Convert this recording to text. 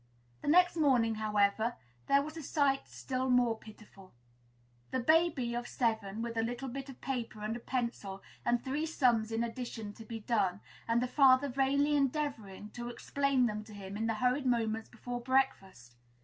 The next morning, however, there was a sight still more pitiful: the baby of seven, with a little bit of paper and a pencil, and three sums in addition to be done, and the father vainly endeavoring, to explain them to him in the hurried moments before breakfast.